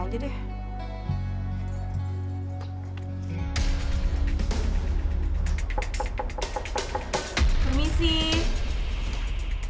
gua ngerjain dia